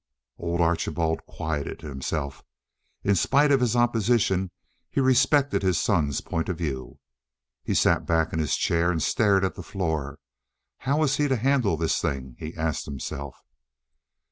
Old Archibald quieted himself. In spite of his opposition, he respected his son's point of view. He sat back in his chair and stared at the floor. "How was he to handle this thing?" he asked himself.